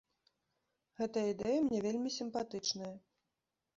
Гэта ідэя мне вельмі сімпатычная.